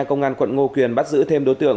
công an quận ngô quyền bắt giữ thêm đối tượng